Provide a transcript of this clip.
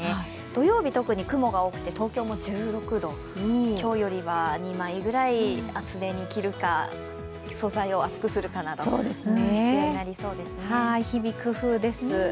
土曜日、特に雲が多くて東京も１６度、今日よりは２枚くらい厚手に着るか素材を厚くするかなど日々、工夫です。